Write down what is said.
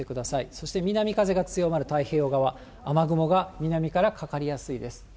そして南風が強まる太平洋側、雨雲が南からかかりやすいです。